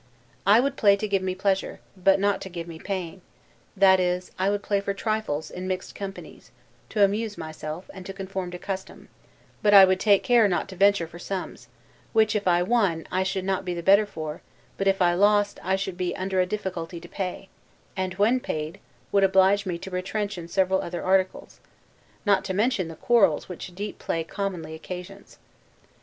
I would play to give me pleasure, but not to give me pain; that is, I would play for trifles, in mixed companies, to amuse myself, and conform to custom; but I would take care not to venture for sums; which, if I won, I should not be the better for; but, if I lost, should be under a difficulty to pay: and when paid, would oblige me to retrench in several other articles. Not to mention the quarrels which deep play commonly occasions.